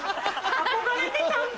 憧れてたんだ！